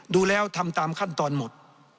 ดูแล้วทำตามขั้นตอนหมด